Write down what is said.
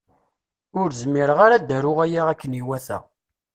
Ur zmireɣ ara ad aruɣ aya akken iwata.